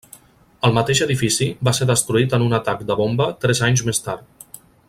El mateix edifici va ser destruït en un atac de bomba tres anys més tard.